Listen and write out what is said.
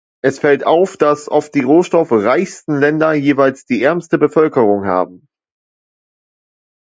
Es fällt auf, dass oft die rohstoffreichsten Länder jeweils die ärmste Bevölkerung haben.